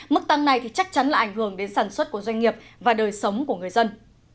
mức tăng này thì chắc chắn là ảnh hưởng đến sản xuất của doanh nghiệp và đời sống của người dân